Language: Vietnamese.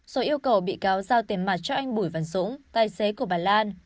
rồi yêu cầu bị cáo giao tiền mặt cho anh bùi văn dũng tài xế của bà lan